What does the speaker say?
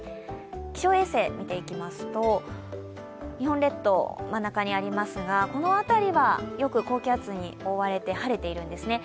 気象衛星、見ていきますと日本列島、真ん中にありますがこの辺りはよく高気圧に覆われて晴れているんですね。